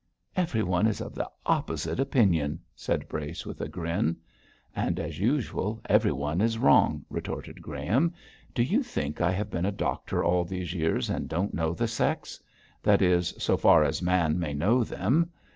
'Everyone is of the opposite opinion,' said Brace, with a grin. 'And, as usual, everyone is wrong,' retorted Graham. 'Do you think I have been a doctor all these years and don't know the sex? that is, so far as a man may know them.